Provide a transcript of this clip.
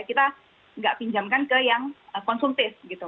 kita nggak pinjamkan ke yang konsumtif gitu